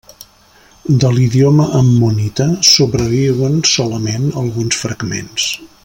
De l'idioma ammonita sobreviuen solament alguns fragments.